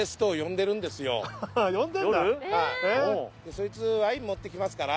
そいつワイン持ってきますから。